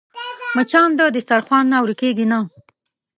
مچان د دسترخوان نه ورکېږي نه